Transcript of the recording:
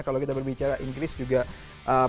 kalau kita berbicara inggris juga ada beberapa hal